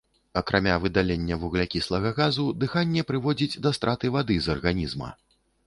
Акрамя выдалення вуглякіслага газу, дыханне прыводзіць да страты вады з арганізма.